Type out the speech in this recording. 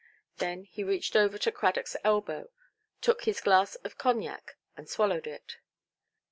Then he reached over to Cradockʼs elbow, took his glass of cognac, and swallowed it.